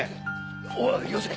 おいよせ！